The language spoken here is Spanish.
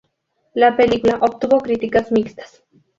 La película obtuvo críticas mixtas.